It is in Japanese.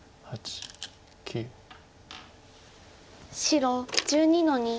白１２の二。